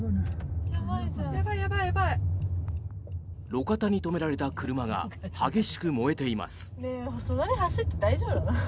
路肩に止められた車が激しく燃えています。